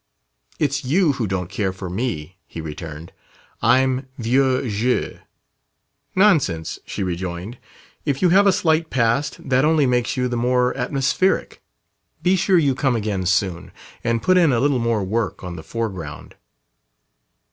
"It's you who don't care for me," he returned. "I'm vieux jeu." "Nonsense," she rejoined. "If you have a slight past, that only makes you the more atmospheric. Be sure you come again soon, and put in a little more work on the foreground."